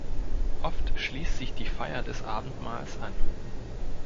Oft schließt sich die Feier des Abendmahls an.